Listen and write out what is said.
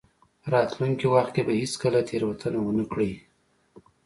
راتلونکي وخت کې به هېڅکله تېروتنه ونه کړئ.